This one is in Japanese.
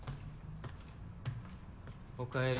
・おかえり。